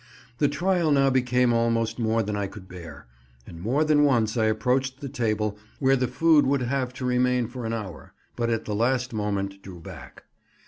The trial now became almost more than I could bear, and more than once I approached the table, where the food would have to remain for an hour, but at the last moment drew back.